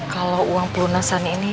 kalau uang pelunasan ini